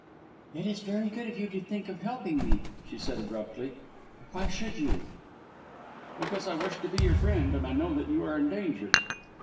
"It is very good of you to think of helping me," she said abruptly, "but why should you?" "Because I wish to be your friend, and I know that you are in danger."